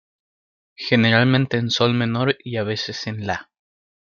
Generalmente en sol menor y a veces en la.